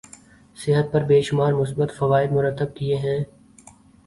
صحت پر بے شمار مثبت فوائد مرتب کیے ہیں